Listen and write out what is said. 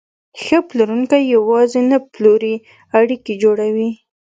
ښه پلورونکی یوازې نه پلوري، اړیکې جوړوي.